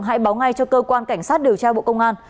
hãy báo ngay cho cơ quan cảnh sát điều tra bộ công an